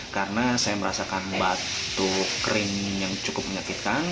karena saya merasakan batuk kering yang cukup menyakitkan